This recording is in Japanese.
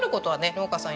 農家さん